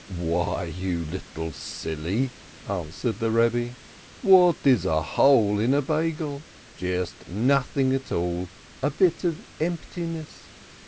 "Why, you little silly," answered the Rebbe, "what is a hole in a Beigel? Just nothing at all! A bit of emptiness!